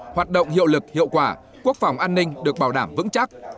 hoạt động hiệu lực hiệu quả quốc phòng an ninh được bảo đảm vững chắc